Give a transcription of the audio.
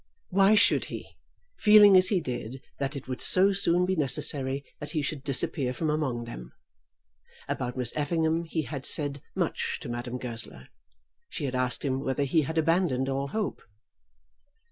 Why should he, feeling as he did that it would so soon be necessary that he should disappear from among them? About Miss Effingham he had said much to Madame Goesler. She had asked him whether he had abandoned all hope.